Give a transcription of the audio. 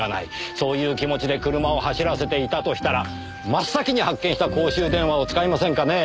そういう気持ちで車を走らせていたとしたら真っ先に発見した公衆電話を使いませんかねぇ。